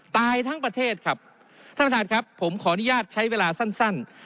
ตายทั้งประเทศครับท่านประธานครับผมขออนุญาตใช้เวลาสั้นสั้น